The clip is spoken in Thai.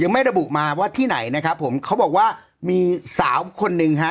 ไม่ระบุมาว่าที่ไหนนะครับผมเขาบอกว่ามีสาวคนหนึ่งฮะ